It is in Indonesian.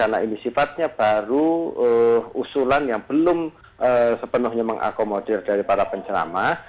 karena ini sifatnya baru usulan yang belum sepenuhnya mengakomodir dari para penceramah